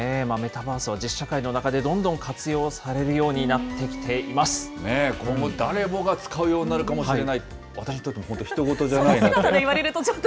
メタバースは実社会の中でどんどん活用されるようになってきてい今後、誰もが使うようになるかもしれない、私にとっても本当にひと事じゃないと。